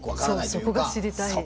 そうそこが知りたい。